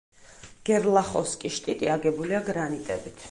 გერლახოვსკი-შტიტი აგებულია გრანიტებით.